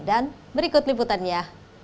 dan berikut liputannya